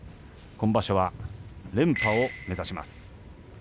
今場所は連覇を目指します。